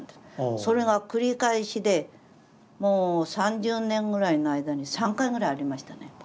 それが繰り返しでもう３０年ぐらいの間に３回ぐらいありましたね。